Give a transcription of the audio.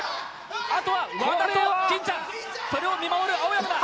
あとは和田と金ちゃんそれを見守る青山だ